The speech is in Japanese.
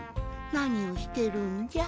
なにをしてるんじゃ？